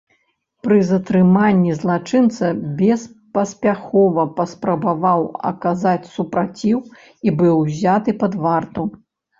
Пры затрыманні злачынца беспаспяхова паспрабаваў аказаць супраціў і быў узяты пад варту.